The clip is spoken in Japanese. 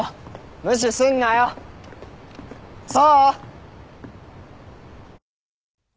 無視すんなよ想！